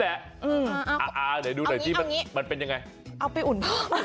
เอาไปอุ่น